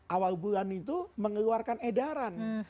awal bulan itu mengeluarkan edaran